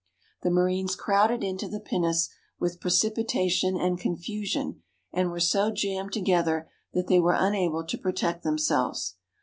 The marines crowded into the pinnace with precipitation and confusion, and were so jammed together that they were unable to protect themselves.